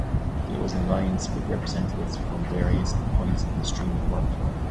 It was an alliance with representatives from various points of the streaming work-flow.